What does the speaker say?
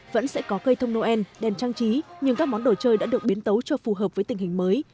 vẫn sẽ có cây thông noel đèn trang trí nhưng các món đồ chơi đã được biến tấu cho phù hợp với tình hình mới